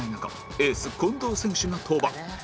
エース近藤選手が登板